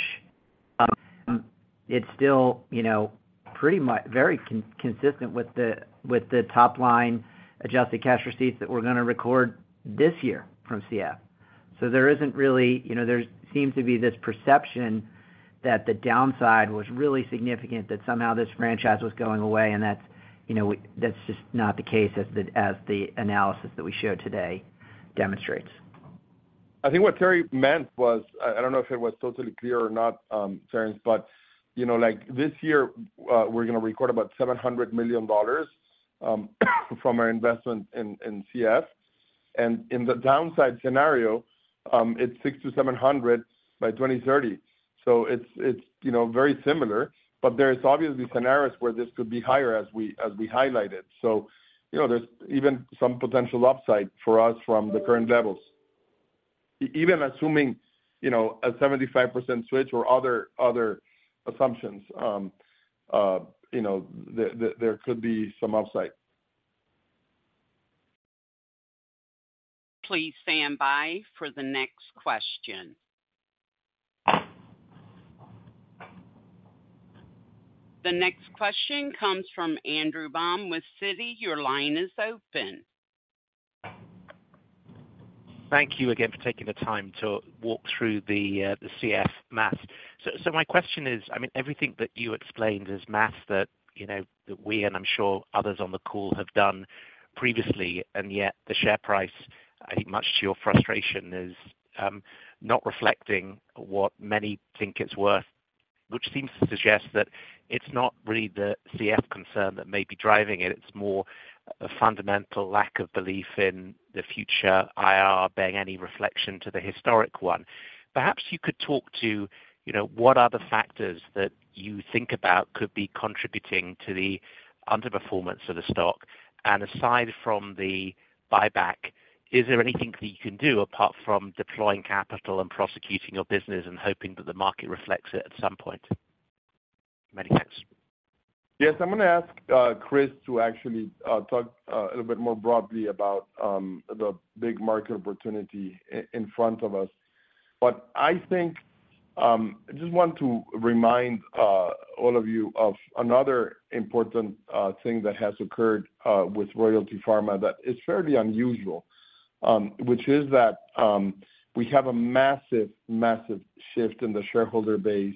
it's still, you know, pretty much, very consistent with the, with the top line Adjusted Cash Receipts that we're gonna record this year from CF. There isn't really. You know, there seems to be this perception that the downside was really significant, that somehow this franchise was going away, and that's, you know, that's just not the case as the, as the analysis that we showed today demonstrates. I think what Terry meant was, I, I don't know if it was totally clear or not, Terence, but, you know, like, this year, we're gonna record about $700 million from our investment in CF. In the downside scenario, it's $600 million-$700 million by 2030. It's, you know, very similar, but there is obviously scenarios where this could be higher as we highlighted. You know, there's even some potential upside for us from the current levels. Even assuming, you know, a 75% switch or other assumptions, you know, there could be some upside. Please stand by for the next question. The next question comes from Andrew Baum with Citi. Your line is open. Thank you again for taking the time to walk through the CF math. My question is, I mean, everything that you explained is math that, you know, that we, and I'm sure others on the call, have done previously, and yet the share price, I think much to your frustration, is not reflecting what many think it's worth. Which seems to suggest that it's not really the CF concern that may be driving it, it's more a fundamental lack of belief in the future IR being any reflection to the historic one. Perhaps you could talk to, you know, what are the factors that you think about could be contributing to the underperformance of the stock? Aside from the buyback, is there anything that you can do apart from deploying capital and prosecuting your business and hoping that the market reflects it at some point? Many thanks. Yes, I'm gonna ask Chris to actually talk a little bit more broadly about the big market opportunity in front of us. I think, I just want to remind all of you of another important thing that has occurred with Royalty Pharma that is fairly unusual, which is that, we have a massive, massive shift in the shareholder base,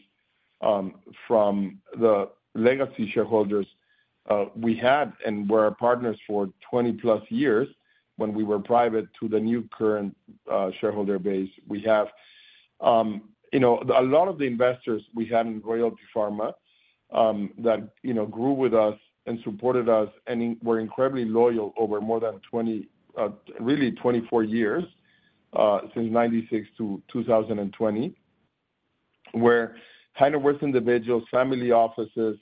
from the legacy shareholders, we had and were our partners for 20 plus years when we were private, to the new current shareholder base we have. You know, a lot of the investors we had in Royalty Pharma that, you know, grew with us and supported us and were incredibly loyal over more than 20, really 24 years, since 1996 to 2020, were high net worth individuals, family offices,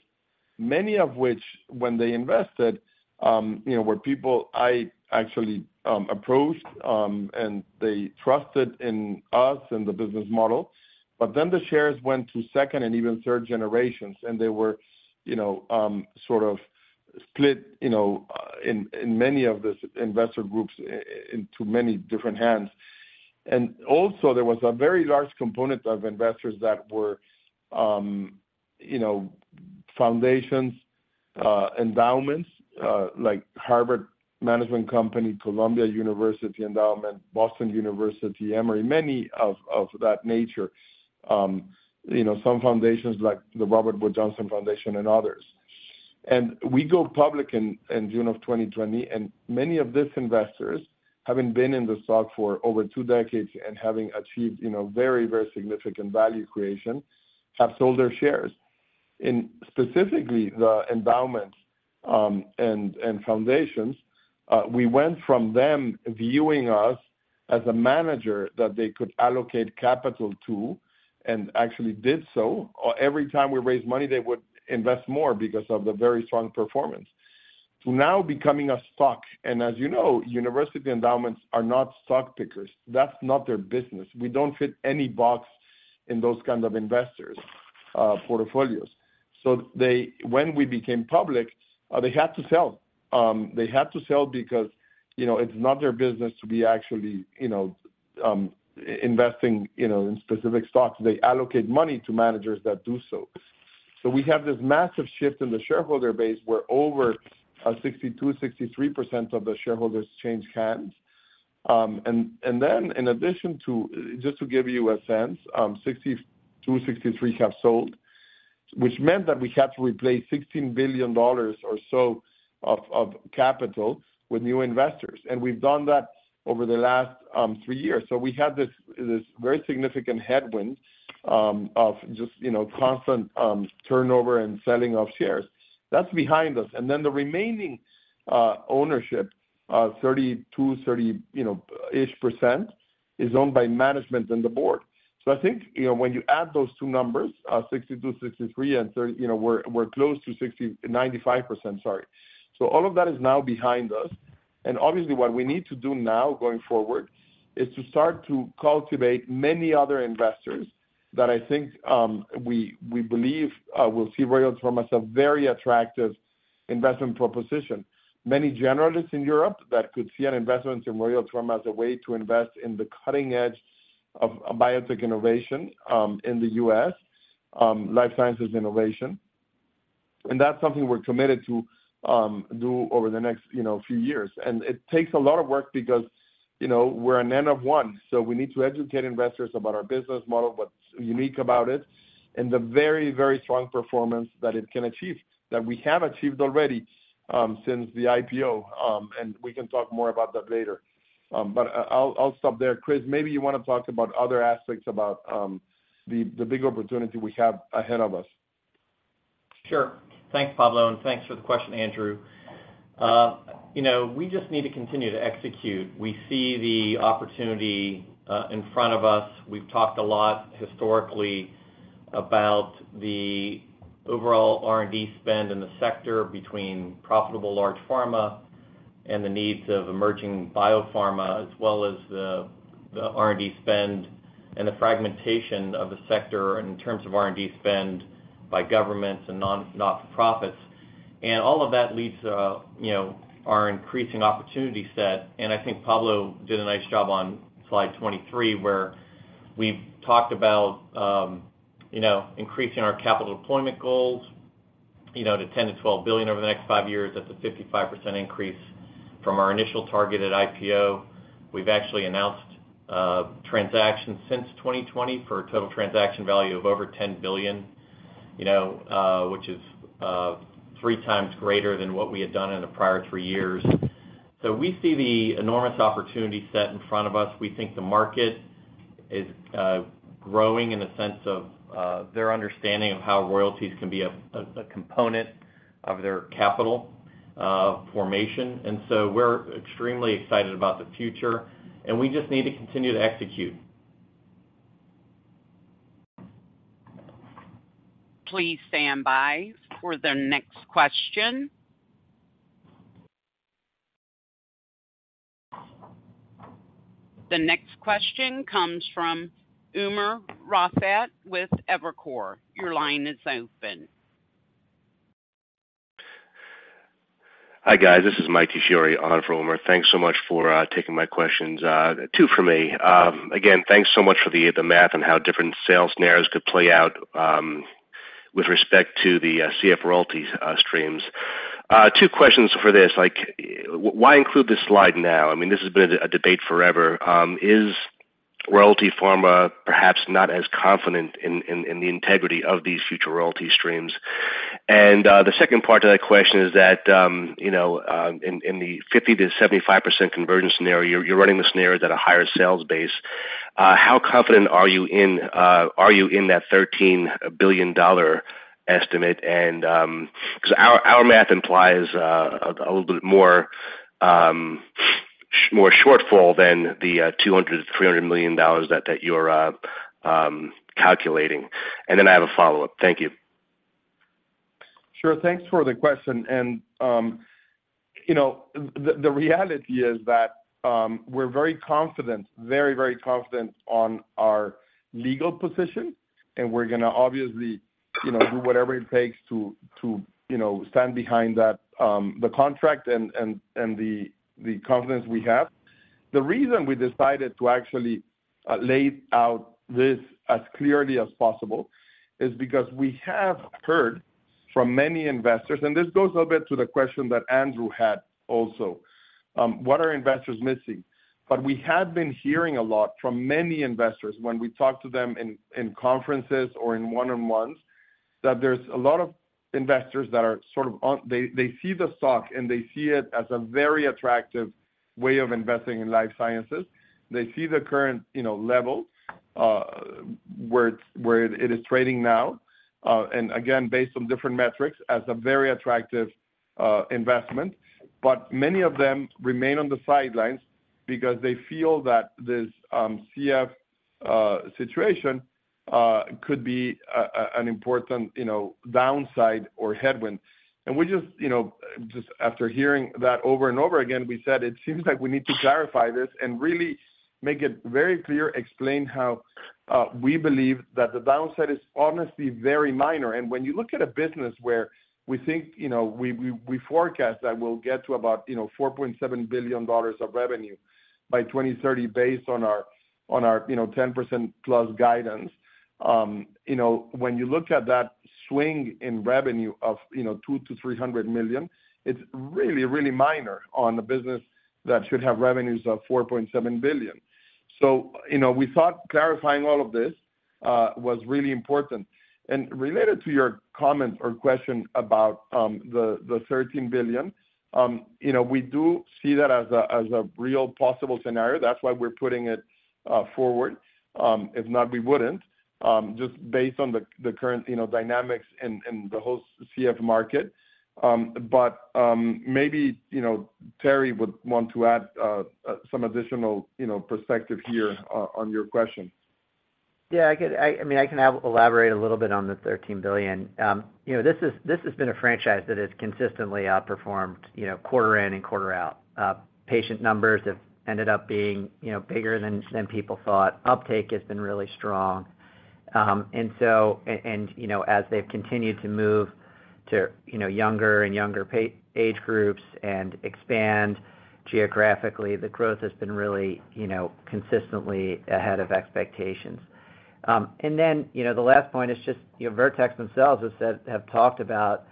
many of which, when they invested, you know, were people I actually approved, and they trusted in us and the business model. The shares went to second and even third generations, and they were, you know, sort of split, you know, in, in many of these investor groups into many different hands. There was a very large component of investors that were, you know, foundations, endowments, like Harvard Management Company, Columbia University Endowment, Boston University, Emory, many of that nature, you know, some foundations like the Robert Wood Johnson Foundation and others. We go public in June of 2020, and many of these investors, having been in the stock for over two decades and having achieved, you know, very, very significant value creation, have sold their shares. In specifically the endowments, and, and foundations, we went from them viewing us as a manager that they could allocate capital to, and actually did so. Every time we raised money, they would invest more because of the very strong performance. To now becoming a stock, and as you know, university endowments are not stock pickers. That's not their business. We don't fit any box in those kind of investors' portfolios. When we became public, they had to sell. They had to sell because, you know, it's not their business to be actually, you know, investing, you know, in specific stocks. They allocate money to managers that do so. We have this massive shift in the shareholder base, where over 62%-63% of the shareholders changed hands. In addition to... Just to give you a sense, 62%-63% have sold, which meant that we had to replace $16 billion or so of capital with new investors, and we've done that over the last 3 years. We had this, this very significant headwind, of just, you know, constant turnover and selling of shares. That's behind us. Then the remaining ownership, 32, 30, you know, ish %, is owned by management and the board. I think, you know, when you add those two numbers, 62, 63, and 30, you know, we're, we're close to 60-- 95%, sorry. All of that is now behind us, and obviously, what we need to do now, going forward, is to start to cultivate many other investors that I think, we, we believe, will see Royalty Pharma as a very attractive investment proposition. Many generalists in Europe that could see an investment in Royalty Pharma as a way to invest in the cutting edge of biotech innovation, in the U.S., life sciences innovation. That's something we're committed to, do over the next, you know, few years. It takes a lot of work because, you know, we're an N of one, so we need to educate investors about our business model, what's unique about it, and the very, very strong performance that it can achieve, that we have achieved already, since the IPO, and we can talk more about that later. I'll stop there. Chris, maybe you want to talk about other aspects about the big opportunity we have ahead of us. Sure. Thanks, Pablo, and thanks for the question, Andrew. You know, we just need to continue to execute. We see the opportunity in front of us. We've talked a lot historically about the overall R&D spend in the sector between profitable large pharma and the needs of emerging biopharma, as well as the R&D spend and the fragmentation of the sector in terms of R&D spend by governments and not-for-profits. All of that leads to, you know, our increasing opportunity set, and I think Pablo did a nice job on Slide 23, where we've talked about, you know, increasing our capital deployment goals, you know, to $10 billion-$12 billion over the next 5 years. That's a 55% increase from our initial target at IPO. We've actually announced transactions since 2020 for a total transaction value of over $10 billion, you know, which is 3 times greater than what we had done in the prior 3 years. We see the enormous opportunity set in front of us. We think the market is growing in the sense of their understanding of how royalties can be a component of their capital formation. We're extremely excited about the future, and we just need to continue to execute. Please stand by for the next question. The next question comes from Umer Raffat with Evercore. Your line is open. Hi, guys, this is Mike DiFiore on for Umer. Thanks so much for taking my questions. Two for me. Again, thanks so much for the math and how different sales scenarios could play out with respect to the CF royalties streams. Two questions for this. Like, why include this slide now? I mean, this has been a debate forever. Is Royalty Pharma perhaps not as confident in the integrity of these future royalty streams? The second part to that question is that, you know, in the 50%-75% conversion scenario, you're running the scenarios at a higher sales base. How confident are you in that $13 billion estimate? Cause our, our math implies a little bit more shortfall than the $200 million-$300 million that you're calculating. I have a follow-up. Thank you. Sure, thanks for the question. You know, the, the reality is that we're very confident, very, very confident on our legal position, and we're gonna obviously, you know, do whatever it takes to, to, you know, stand behind that, the contract and, and, and the, the confidence we have. The reason we decided to actually lay out this as clearly as possible, is because we have heard from many investors, and this goes a little bit to the question that Andrew had also, what are investors missing? We have been hearing a lot from many investors when we talk to them in, in conferences or in one-on-ones, that there's a lot of investors that are sort of they, they see the stock, and they see it as a very attractive way of investing in life sciences. They see the current, you know, level, where it is trading now, and again, based on different metrics, as a very attractive investment. Many of them remain on the sidelines because they feel that this CF situation could be an important, you know, downside or headwind. We just, you know, just after hearing that over and over again, we said, it seems like we need to clarify this and really make it very clear, explain how we believe that the downside is honestly very minor. When you look at a business where we think, you know, we, we, we forecast that we'll get to about, you know, $4.7 billion of revenue by 2030 based on our, on our, you know, 10%+ guidance, you know, when you look at that swing in revenue of, you know, $200 million-$300 million, it's really, really minor on a business that should have revenues of $4.7 billion. You know, we thought clarifying all of this was really important. Related to your comment or question about the $13 billion, you know, we do see that as a, as a real possible scenario. That's why we're putting it forward, if not, we wouldn't, just based on the current, you know, dynamics and the whole CF market. Maybe, you know, Terry would want to add, some additional, you know, perspective here, on your question. Yeah, I mean, I can have elaborate a little bit on the $13 billion. You know, this has been a franchise that has consistently outperformed, you know, quarter in and quarter out. Patient numbers have ended up being, you know, bigger than, than people thought. Uptake has been really strong. You know, as they've continued to move to, you know, younger and younger age groups and expand geographically, the growth has been really, you know, consistently ahead of expectations. You know, the last point is just, you know, Vertex themselves have said, have talked about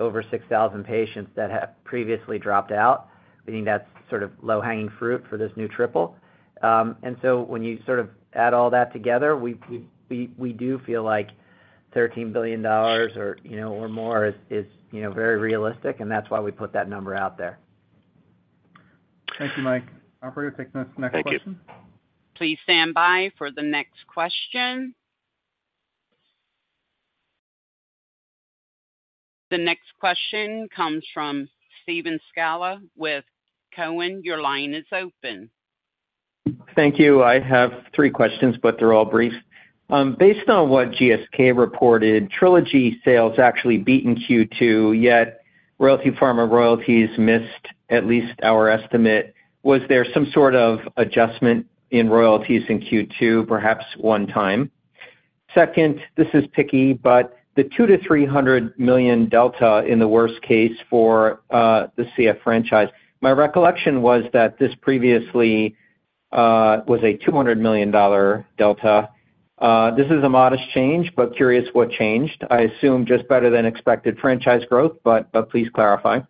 over 6,000 patients that have previously dropped out, meaning that's sort of low-hanging fruit for this new triple. When you sort of add all that together, we, we, we, we do feel like $13 billion or, you know, or more is, is, you know, very realistic, and that's why we put that number out there. Thank you, Mike. Operator, take the next question. Thank you. Please stand by for the next question. The next question comes from Steven Scala with Cowen. Your line is open. Thank you. I have three questions, but they're all brief. Based on what GSK reported, Trelegy sales actually beat in Q2, yet Royalty Pharma royalties missed at least our estimate. Was there some sort of adjustment in royalties in Q2, perhaps one time? Second, this is picky, but the $200 million-$300 million delta in the worst case for the CF franchise. My recollection was that this previously was a $200 million delta. This is a modest change, but curious what changed. I assume just better than expected franchise growth, but please clarify.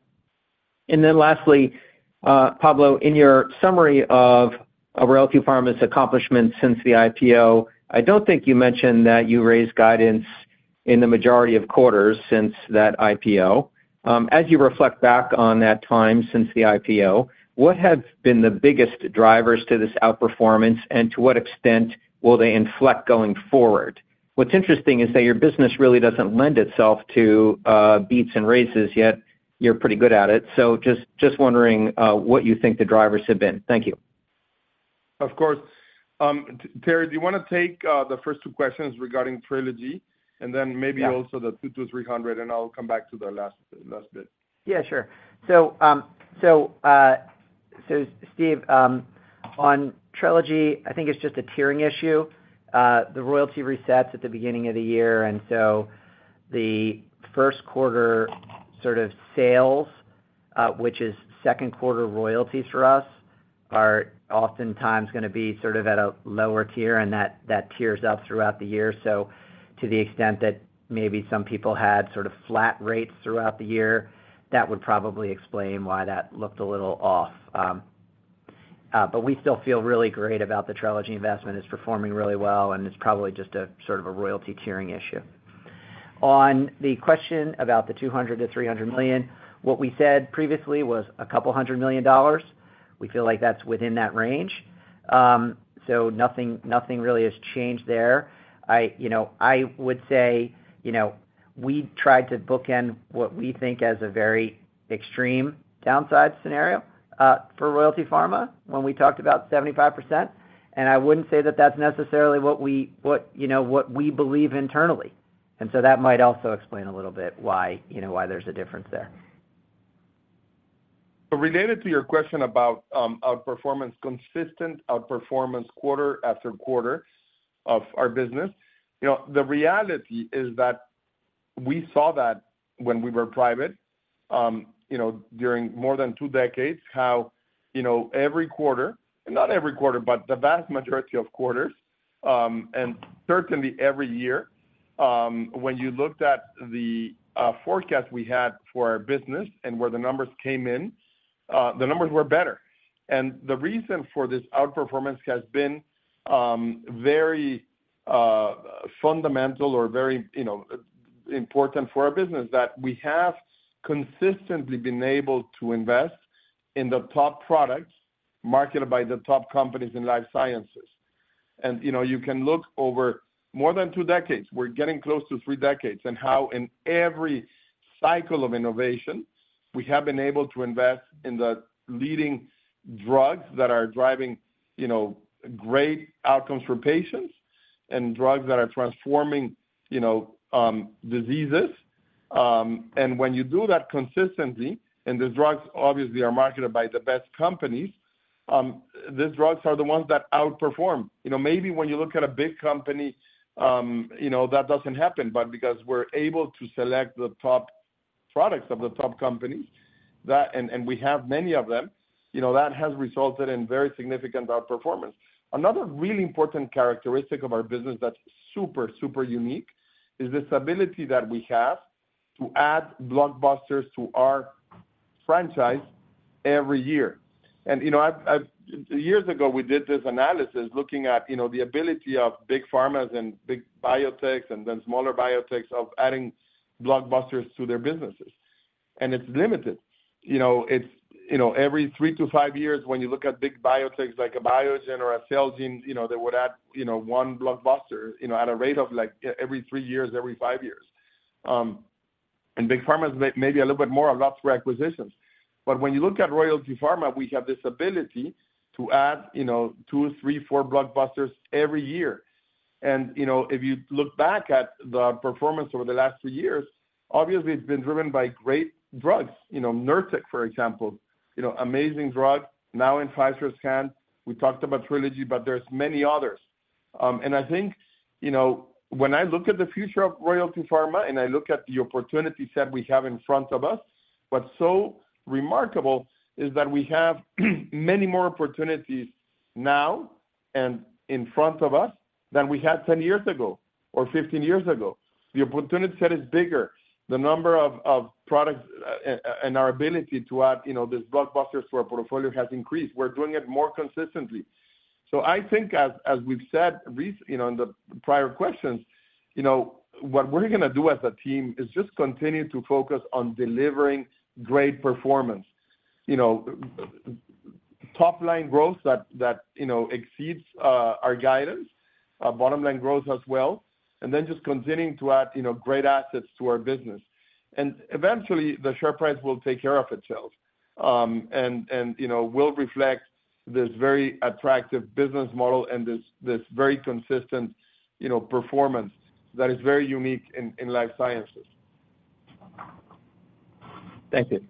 Lastly, Pablo, in your summary of Royalty Pharma's accomplishments since the IPO, I don't think you mentioned that you raised guidance in the majority of quarters since that IPO. As you reflect back on that time since the IPO, what have been the biggest drivers to this outperformance, and to what extent will they inflect going forward? What's interesting is that your business really doesn't lend itself to beats and raises, yet you're pretty good at it. Just, just wondering what you think the drivers have been. Thank you. Of course. Terry, do you wanna take the first two questions regarding Trelegy, and then maybe. Yeah... also the 200-300, and I'll come back to the last, last bit. Yeah, sure. Steve, on Trelegy, I think it's just a tiering issue. The royalty resets at the beginning of the year, and so the first quarter sort of sales, which is second quarter royalties for us, are oftentimes gonna be sort of at a lower tier, and that, that tiers up throughout the year. To the extent that maybe some people had sort of flat rates throughout the year, that would probably explain why that looked a little off. We still feel really great about the Trelegy investment. It's performing really well, and it's probably just a sort of a royalty tiering issue. On the question about the $200 million-$300 million, what we said previously was $200 million. We feel like that's within that range. Nothing, nothing really has changed there. I, you know, I would say, you know, we tried to bookend what we think as a very extreme downside scenario for Royalty Pharma when we talked about 75%. I wouldn't say that that's necessarily what we, what, you know, what we believe internally, so that might also explain a little bit why, you know, why there's a difference there. Related to your question about outperformance, consistent outperformance quarter after quarter of our business, you know, the reality is that we saw that when we were private, you know, during more than two decades, how, you know, every quarter, not every quarter, but the vast majority of quarters, and certainly every year, when you looked at the forecast we had for our business and where the numbers came in, the numbers were better. The reason for this outperformance has been very fundamental or very, you know, important for our business, that we have consistently been able to invest in the top products marketed by the top companies in life sciences. You know, you can look over more than 2 decades, we're getting close to 3 decades, and how in every cycle of innovation, we have been able to invest in the leading drugs that are driving, you know, great outcomes for patients and drugs that are transforming, you know, diseases. When you do that consistently, and the drugs obviously are marketed by the best companies, these drugs are the ones that outperform. You know, maybe when you look at a big company, you know, that doesn't happen, but because we're able to select the top products of the top companies, we have many of them, you know, that has resulted in very significant outperformance. Another really important characteristic of our business that's super, super unique, is this ability that we have to add blockbusters to our franchise every year. You know, I've, I've years ago, we did this analysis looking at, you know, the ability of big pharmas and big biotechs and then smaller biotechs of adding blockbusters to their businesses, and it's limited. You know, it's, you know, every 3 to 5 years, when you look at big biotechs like a Biogen or a Celgene, you know, they would add, you know, 1 blockbuster, you know, at a rate of, like, every 3 years, every 5 years. Big pharmas may-maybe a little bit more, a lot through acquisitions. When you look at Royalty Pharma, we have this ability to add, you know, 2, 3, 4 blockbusters every year. You know, if you look back at the performance over the last 2 years, obviously it's been driven by great drugs. You know, Nurtec, for example, you know, amazing drug now in Pfizer's hands. We talked about Trelegy, but there's many others. I think, you know, when I look at the future of Royalty Pharma, and I look at the opportunity set we have in front of us, what's so remarkable is that we have many more opportunities now and in front of us than we had 10 years ago or 15 years ago. The opportunity set is bigger. The number of, of products, and our ability to add, you know, these blockbusters to our portfolio has increased. We're doing it more consistently. I think as, as we've said, you know, in the prior questions, you know, what we're gonna do as a team is just continue to focus on delivering great performance. You know, top-line growth that, that, you know, exceeds our guidance, bottom line growth as well, and then just continuing to add, you know, great assets to our business. Eventually, the share price will take care of itself, and, and, you know, will reflect this very attractive business model and this, this very consistent, you know, performance that is very unique in, in life sciences. Thank you.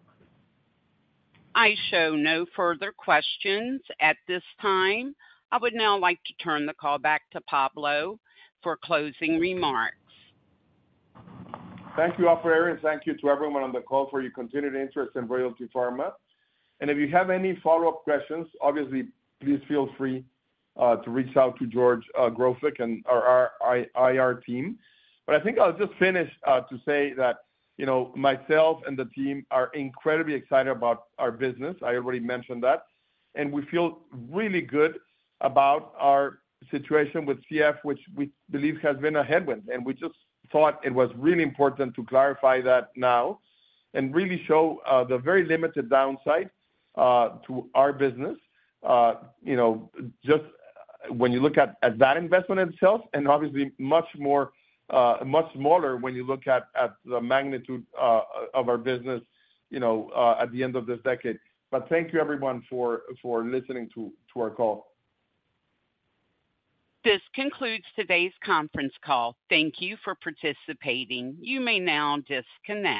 I show no further questions at this time. I would now like to turn the call back to Pablo for closing remarks. Thank you, operator, thank you to everyone on the call for your continued interest in Royalty Pharma. If you have any follow-up questions, obviously, please feel free to reach out to George Grofik and our IR team. I think I'll just finish to say that, you know, myself and the team are incredibly excited about our business. I already mentioned that, and we feel really good about our situation with CF, which we believe has been a headwind, and we just thought it was really important to clarify that now and really show the very limited downside to our business. You know, just when you look at, at that investment itself, and obviously much more, much smaller when you look at, at the magnitude of our business, you know, at the end of this decade. Thank you, everyone, for, for listening to, to our call. This concludes today's conference call. Thank you for participating. You may now disconnect.